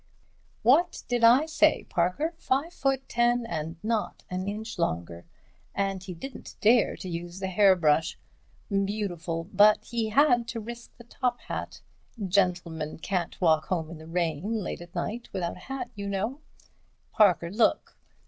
"What did I say, Parker? Five foot ten and not an inch longer. And he didn't dare to use the hairbrush. Beautiful. But he had to risk the top hat. Gentleman can't walk home in the rain late at night without a hat, you know, Parker. Look!